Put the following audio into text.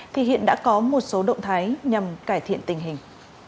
thì hiện đã có một số động thái nhằm cải thiện tình hình